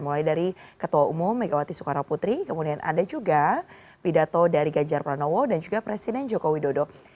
mulai dari ketua umum megawati soekarno putri kemudian ada juga pidato dari ganjar pranowo dan juga presiden joko widodo